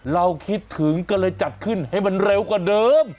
เราคิดถึงก็เลยจัดขึ้นให้มันเร็วกว่าเดิม